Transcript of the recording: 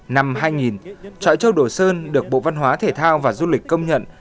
năm hai nghìn chợ châu đổ sơn được bộ văn hóa thể thao và du lịch công nhận